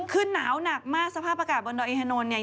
คือหนาวหนักมากสภาพอากาศบนดอยอินทานนท์เนี่ย